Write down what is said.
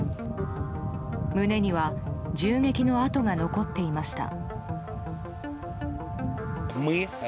胸には銃撃の跡が残っていました。